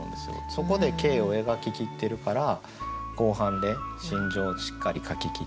そこで景を描ききってるから後半で心情をしっかり書ききってる。